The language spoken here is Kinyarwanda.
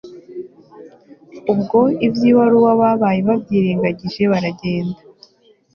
Ubwo ibyibaruwa babaye babyirengagije baragenda